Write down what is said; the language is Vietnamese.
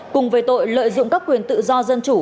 cùng về tội lợi dụng các quyền tự do dân chủ